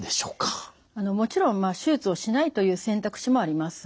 もちろん手術をしないという選択肢もあります。